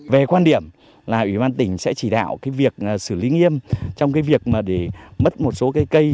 về quan điểm là ủy ban tỉnh sẽ chỉ đạo việc xử lý nghiêm trong việc mất một số cây cây